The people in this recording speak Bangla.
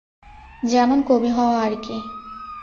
যেমন কবি হওয়া আর-কি।